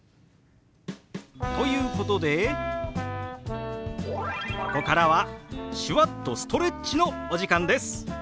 ということでここからは手話っとストレッチのお時間です。